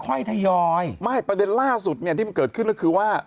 ทยอยไม่ประเด็นล่าสุดเนี่ยที่มันเกิดขึ้นก็คือว่า